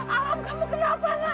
alam kamu kenapa nak